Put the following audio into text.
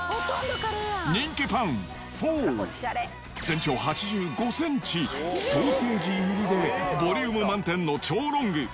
人気パン４、全長８５センチ、ソーセージ入りでボリューム満点の超ロング。